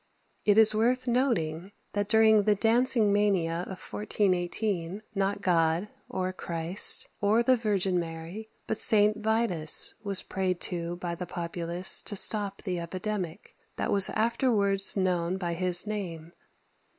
It is worth noting, that during the dancing mania of 1418, not God, or Christ, or the Virgin Mary, but St. Vitus, was prayed to by the populace to stop the epidemic that was afterwards known by his name.